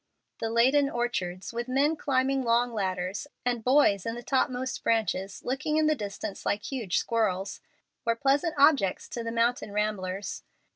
The laden orchards, with men climbing long ladders, and boys in the topmost branches looking in the distance like huge squirrels, were pleasant objects to the mountain ramblers.